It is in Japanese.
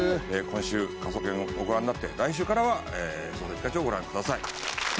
今週『科捜研』をご覧になって来週からは『捜査一課長』をご覧ください。